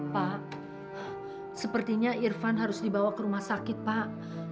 pak sepertinya irfan harus dibawa ke rumah sakit pak